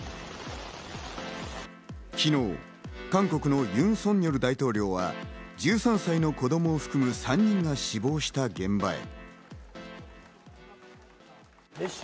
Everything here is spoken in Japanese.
昨日、韓国のユン・ソンニョル大統領は１３歳の子供を含む３人が死亡した現場へ。